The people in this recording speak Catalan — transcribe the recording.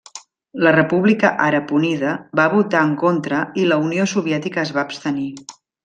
La República Àrab Unida va votar en contra i la Unió Soviètica es va abstenir.